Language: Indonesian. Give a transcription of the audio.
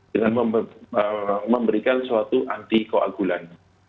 dengan memberikan suatu anti koagulan